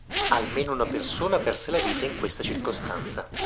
Almeno una persona perse la vita in questa circostanza.